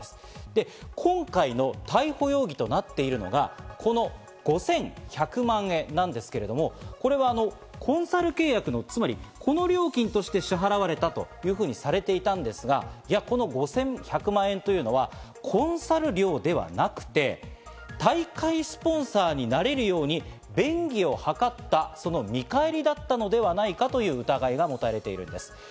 で、今回の逮捕容疑となっているのが、この５１００万円なんですけれども、これはコンサル契約、つまりこの料金として支払われたというふうにされていたんですが、いや、この５１００万円というのはコンサル料ではなくて、大会スポンサーになれるように便宜を図ったその見返りだったのではないかという疑いが持たれているんです。